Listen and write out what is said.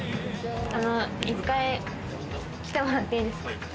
１回来てもらっていいですか？